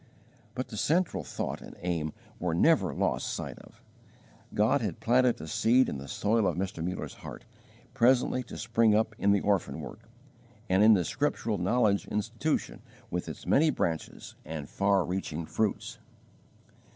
But the central thought and aim were never lost sight of: God had planted a seed in the soil of Mr. Mullers heart, presently to spring up in the orphan work, and in the Scriptural Knowledge Institution with its many branches and far reaching fruits.